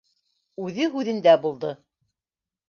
Үҙе һүҙендә булды: